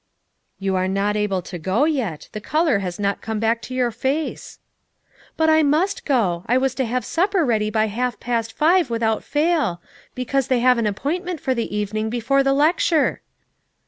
"You are not able to go yet; the color has not come back to your face." "But I must go; I was to have supper ready by half past five without fail; because they have 86 FOUR MOTHERS AT CHAUTAUQUA an appointment for the evening, before the lec ture."